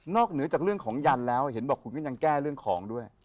เหนือจากเรื่องของยันแล้วเห็นบอกคุณก็ยังแก้เรื่องของด้วย